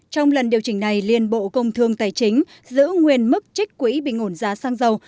trong lần điều chỉnh này liên bộ công thương tài chính giữ nguyên mức trích quỹ bình ổn giá xăng dầu